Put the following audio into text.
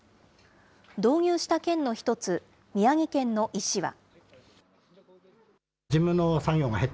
導入した県の１つ、宮城県の医師は。